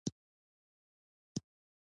ازادي راډیو د کلتور ته پام اړولی.